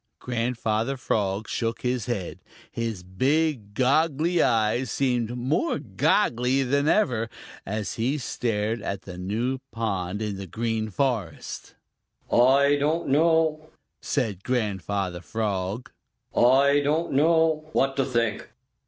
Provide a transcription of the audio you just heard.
Grandfather Frog shook his head. His big goggly eyes seemed more goggly than ever, as he stared at the new pond in the Green Forest. "I don't know," said Grandfather Frog. "I don't know what to think."